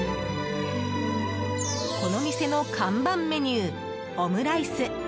この店の看板メニューオムライス。